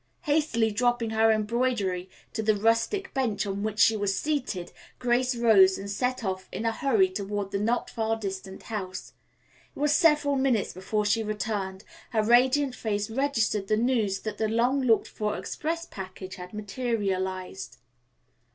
Hastily dropping her embroidery to the rustic bench on which she was seated, Grace rose and set off in a hurry toward the not far distant house. It was several minutes before she returned, her radiant face registered the news that the long looked for express package had materialized.